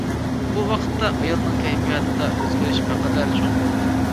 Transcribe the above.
بۇ ۋاقىتتا ئايالنىڭ كەيپىياتىدا ئۆزگىرىش بىر قەدەر چوڭ بولىدۇ.